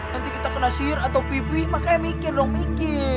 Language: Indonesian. nanti kita kena sihir atau pipi makanya mikir dong mikir